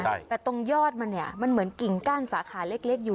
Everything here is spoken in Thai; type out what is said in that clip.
ใช่แต่ตรงยอดมันเนี่ยมันเหมือนกิ่งกั้นสาขาเล็กเล็กอยู่